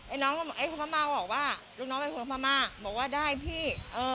ไอ้น้องไอ้คุณพ่อมาบอกว่าลูกน้องไอ้คุณพ่อมาบอกว่าได้พี่